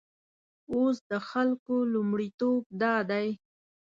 اوس د خلکو لومړیتوب دادی.